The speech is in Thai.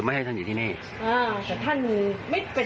มันย้อนสอนให้เราอีกแล้ว